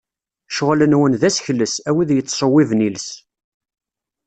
Ccɣel-nwen d asekles, a wid yettṣewwiben iles.